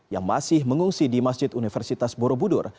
yang masih mengungsi di masjid universitas borobudur